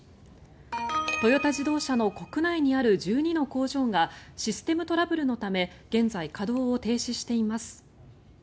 トヨタ自動車の国内にある１２の工場がシステムトラブルのため現在、稼働を停止しています。